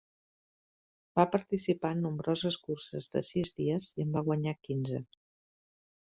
Va participar en nombroses curses de sis dies i en va guanyar quinze.